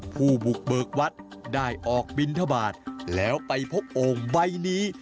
ผู้บุกเบิกวัดได้ออกบินทบาทแล้วไปพบโอ่งใบนี้